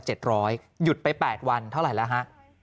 หยุดไป๘วันเท่าไหร่แล้วฮะ